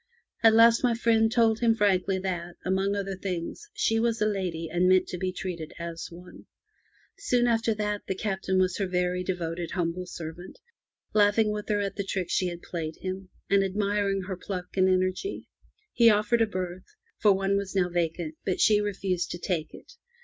At last my friend told him frankly that, among other things, she was a lady, and meant to be treated as one. Soon after that the Captain was her very devoted humble servant, laughing with her at the trick she had played him, and admiring her pluck and energy. He offered her a berth, for one was now vacant, but she refused to take it.